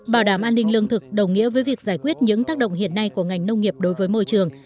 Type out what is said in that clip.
bảo đảm an ninh lương thực đồng nghĩa với việc giải quyết những tác động hiện nay của ngành nông nghiệp đối với môi trường